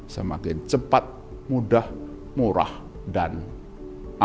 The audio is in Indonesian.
semakin cepat mudah murah dan aman